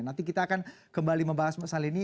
nanti kita akan kembali membahas masalah ini